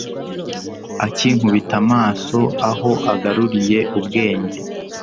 akinkubita amaso aho agaruriye ubwenge